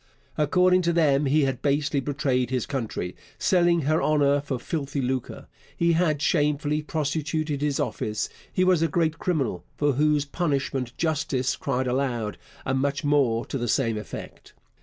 According to them he had basely betrayed his country, selling her honour for filthy lucre; he had shamefully prostituted his office; he was a great criminal for whose punishment justice cried aloud, and much more to the same effect.